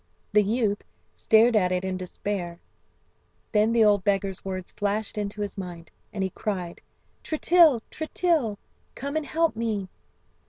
The youth stared at it in despair, then the old beggar's words flashed into his mind, and he cried: "Tritill, Tritill, come and help me!"